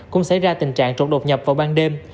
cũng xảy ra tình trạng trộm đột nhập vào ban đêm